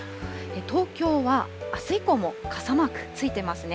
東京はあす以降も傘マークついてますね。